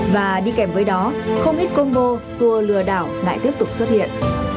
và đi kèm với đó không ít combo tour lừa đảo lại tiếp tục xuất hiện